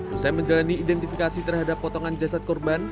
usai menjalani identifikasi terhadap potongan jasad korban